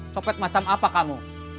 copet macam apa kamu